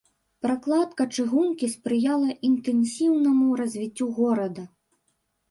Пракладка чыгункі спрыяла інтэнсіўнаму развіццю горада.